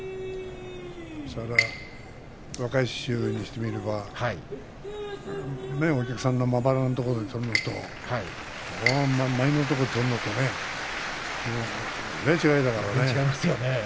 若い衆にしてみればお客さんのまばらなところでやるのと、満員のところで取るのと、えらい違いだからね。